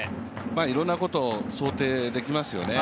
いろいろなことを想定できますよね。